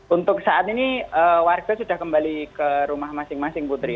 untuk saat ini warga sudah kembali ke rumah masing masing putri